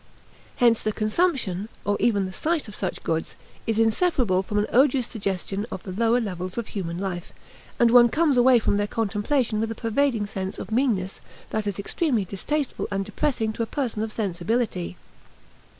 Hence the consumption, or even the sight of such goods, is inseparable from an odious suggestion of the lower levels of human life, and one comes away from their contemplation with a pervading sense of meanness that is extremely distasteful and depressing to a person of sensibility.